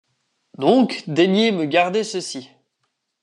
Doncques daignez me guarder cecy.